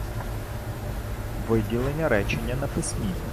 Виділення речення на письмі